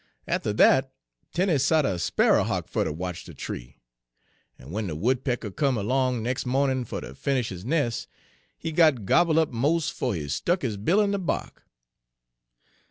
Atter dat Tenie sot a sparrer hawk fer ter watch de tree; en w'en de woodpecker come erlong nex' mawnin' fer ter finish his nes', he got gobble' up mos'' fo' he stuck his bill in de bark.